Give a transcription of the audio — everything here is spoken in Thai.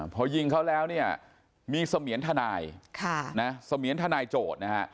พอยิงเขาแล้วเนี่ยมีเสมียนทนายเสมียนทนายโจทย์นะฮะ